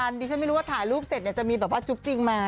อันนี้ฉันไม่รู้ถ่ายรูปเสร็จจะมีจุ๊บจริงมา